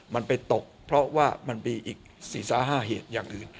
มันไปตกเพราะว่ามันมีอีก๔๕เหตุอย่างอื่น